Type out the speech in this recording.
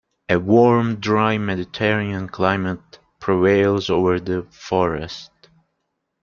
A warm dry mediterranean climate prevails over the Forest.